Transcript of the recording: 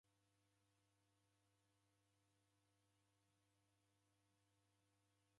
W'asela kose ela ndew'iw'onie klambo chingi.